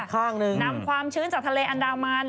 นำความชื้นจากทะเลอันดาวมัน